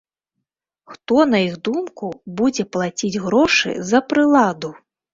Хто, на іх думку, будзе плаціць грошы за прыладу?